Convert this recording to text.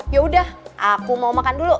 yaudah aku mau makan dulu